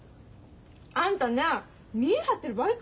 あんたね見栄張ってる場合か？